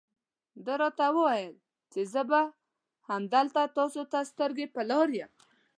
ده راته وویل چې زه به همدلته تاسو ته سترګې په لار یم.